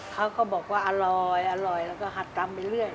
เขาก็บอกว่าอร่อยอร่อยแล้วก็หัดตำไปเรื่อย